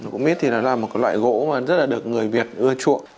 gũ mít thì là một loại gỗ mà rất là được người việt ưa chuộng